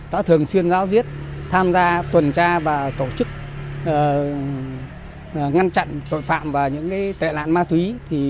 đã thường xuyên giáo diết tham gia tuần tra và tổ chức ngăn chặn tội phạm và những tệ nạn ma túy